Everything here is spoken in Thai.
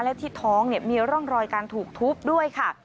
และที่ท้องมีร่องรอยการถูกทุบด้วยค่ะ